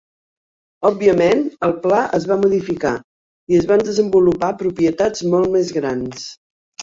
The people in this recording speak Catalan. Òbviament, el pla es va modificar i es van desenvolupar propietats molt més grans.